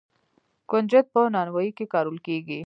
کنجد په نانوايۍ کې کارول کیږي.